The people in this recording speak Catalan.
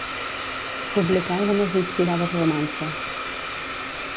Publicà algunes inspirades romances.